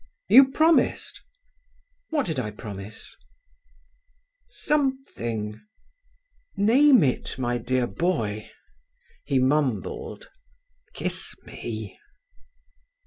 "You promised." "What did I promise?" "Something." "Name it, my dear boy." He mumbled, "... kiss me."